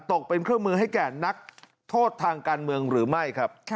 ตกเป็นเครื่องมือให้แก่นักโทษทางการเมืองหรือไม่ครับ